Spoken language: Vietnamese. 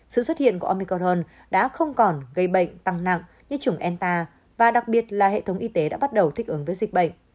sự xuất hiện của omicorn đã không còn gây bệnh tăng nặng như chủng enta và đặc biệt là hệ thống y tế đã bắt đầu thích ứng với dịch bệnh